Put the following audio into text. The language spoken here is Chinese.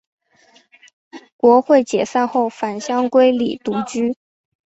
国会解散后返乡归里独居。